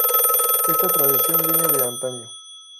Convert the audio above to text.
Esta tradición viene de antaño.